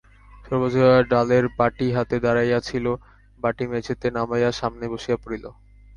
সর্বজয়া ডালের বাটি হাতে দাঁড়াইয়া ছিল, বাটি মেঝেতে নামাইয়া সামনে বসিয়া পড়িল।